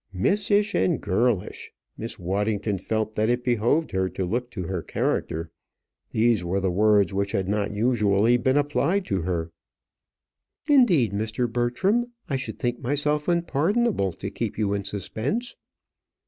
Missish and girlish! Miss Waddington felt that it behoved her to look to her character. These were words which had not usually been applied to her. "Indeed, Mr. Bertram, I should think myself unpardonable to keep you in suspense."